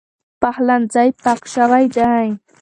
پخلنځی پاک شوی دی.